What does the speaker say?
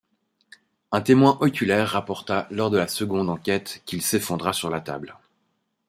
Un témoin oculaire rapporta lors de la seconde enquête qu'il s'effondra sur la table.